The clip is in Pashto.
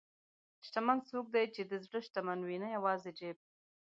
شتمن څوک دی چې د زړه شتمن وي، نه یوازې جیب.